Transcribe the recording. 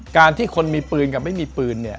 การที่คนมีปืนกับไม่มีปืน